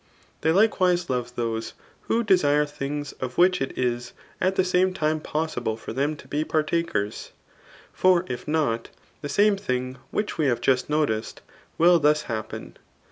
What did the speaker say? They likewise love those w4io desm diings of which it is at the same time possible for diam to be partakers ; for if not, the same thing [which we have just noticed] will thus happen.